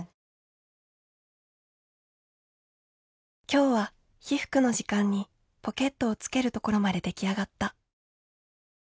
「今日は被服の時間にポケットをつけるところまで出来上がった。